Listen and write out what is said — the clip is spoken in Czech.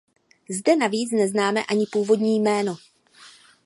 Zde navíc neznáme ani původní jméno.